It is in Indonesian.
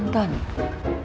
lo tuh cuma mantan